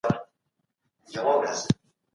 هغه خپل عزت وساتی او له جنګه ليري سو.